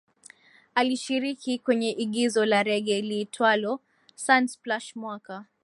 Alishiriki kwenye igizo la rege liitwalo Sunsplash mwaka